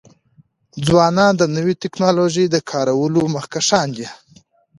ځوانان د نوی ټکنالوژی د کارولو مخکښان دي.